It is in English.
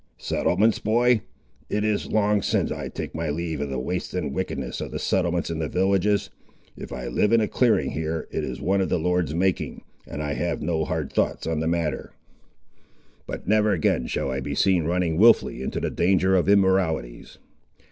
"Settlements, boy! It is long sin' I took my leave of the waste and wickedness of the settlements and the villages. If I live in a clearing, here, it is one of the Lord's making, and I have no hard thoughts on the matter; but never again shall I be seen running wilfully into the danger of immoralities."